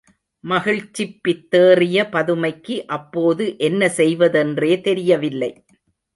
மகிழ்ச்சிப் பித்தேறிய பதுமைக்கு அப்போது என்ன செய்வதென்றே தெரியவில்லை.